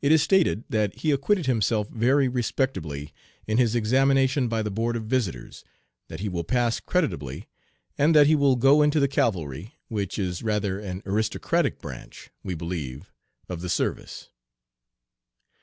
It is stated that he acquitted himself very respectably in his examination by the Board of Visitors, that he will pass creditably, and that he will go into the cavalry, which is rather an aristocratic branch, we believe, of the service.